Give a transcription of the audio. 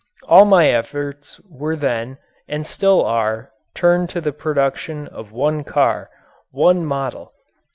All my efforts were then and still are turned to the production of one car one model.